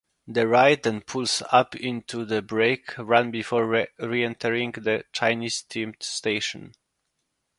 The ride then pulls up into the brake run before re-entering the Chinese-themed station.